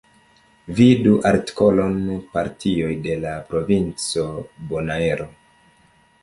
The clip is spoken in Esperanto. Vidu artikolon Partioj de la Provinco Bonaero.